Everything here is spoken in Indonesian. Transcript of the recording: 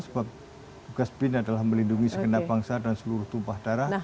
sebab tugas bin adalah melindungi sekendap bangsa dan seluruh tumpah darah